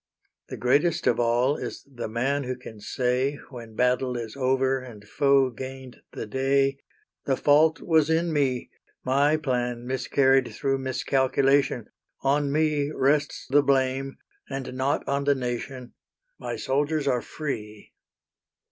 The greatest of all is the man who can say When battle is over and foe gained the day, "The fault was in me: My plan miscarried through miscalculation; On me rests the blame, and not on the nation: My soldiers are free."